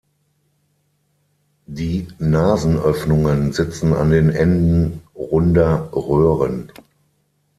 Die Nasenöffnungen sitzen an den Enden runder Röhren.